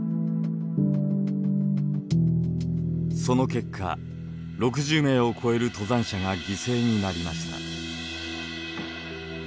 その結果６０名を超える登山者が犠牲になりました。